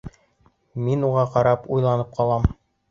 Мин уға ҡарап уйланып ҡалам.